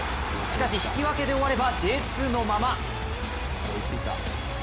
しかし、引き分けで終わればＪ２のまま。